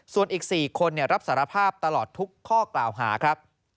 ส่วนอีก๔คนรับสารภาพตลอดทุกข้อกล่าวหาครับ